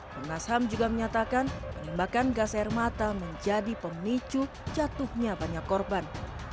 komnas ham juga menyatakan penembakan gas air mata menjadi pemicu jatuhnya banyak korban